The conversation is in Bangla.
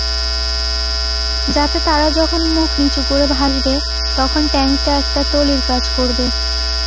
যাতে তারা যখন মুখ নিচু করে ভাসবে, তখন ট্যাঙ্কটা একটা তলির কাজ করবে।